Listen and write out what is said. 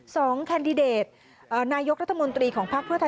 แคนดิเดตนายกรัฐมนตรีของภักดิ์เพื่อไทย